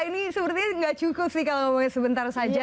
ini sepertinya nggak cukup sih kalau ngomongin sebentar saja